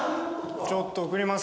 ちょっと送ります